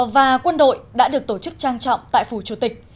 và quân đội đã được tổ chức trang trọng tại phủ chủ tịch